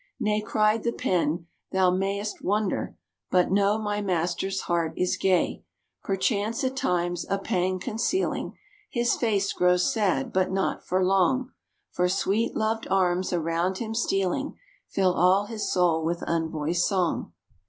"Nay!" cried the Pen, "thou may'st wonder, But know, my master's heart is gay. Perchance at times, a pang concealing, His face grows sad; but not for long, For sweet, loved arms, around him stealing, Fill all his soul with unvoiced song."